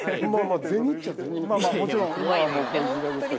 もちろん。